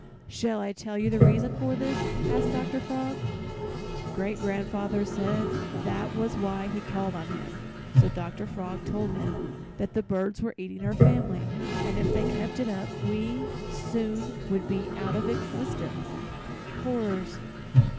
"'Shall I tell you the reason for this?' asked Dr. Frog. "Great grandfather said that was why he called on him, so Dr. Frog told him that the birds were eating our family, and if they kept it up we soon would be out of existence. "'Horrors!